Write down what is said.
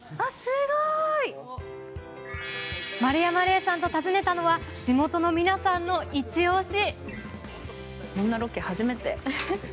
丸山礼さんと訪ねたのは地元の皆さんのイチオシ。